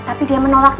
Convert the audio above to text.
tapi dia menolakkan